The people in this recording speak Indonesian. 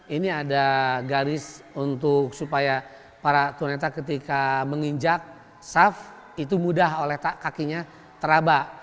ini ada garis untuk supaya para tunanetra ketika menginjak saf itu mudah oleh kakinya terabak